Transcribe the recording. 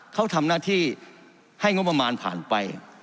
เขาทำหน้าที่ให้งบประมาณผ่านไป